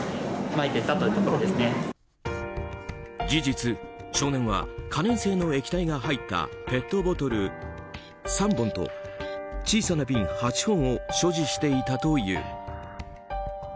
事実、少年は可燃性の液体が入ったペットボトル３本と小さな瓶８本を所持していたという。